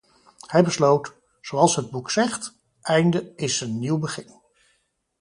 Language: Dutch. Hij besloot: "Zoals het boek zegt: ‘Einde is een Nieuw Begin.’"